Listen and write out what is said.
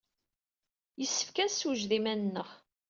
Yessefk ad nessewjed iman-nneɣ.